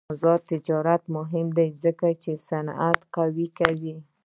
آزاد تجارت مهم دی ځکه چې صنعت قوي کوي.